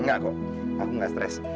enggak kok aku nggak stres